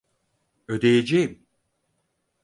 Ödeyeceğim!